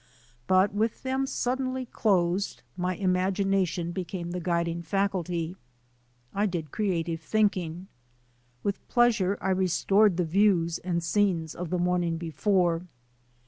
But with them suddenly closed my imagination became the guiding faculty. I did creative thinking. With pleasure I restored the views and scenes of the morning before.